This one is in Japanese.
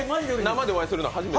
生でお会いするのは初めて？